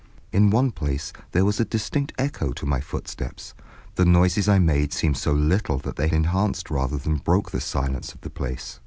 In one place there was a distinct echo to my footsteps, the noises I made seemed so little that they enhanced rather than broke the silence of the place.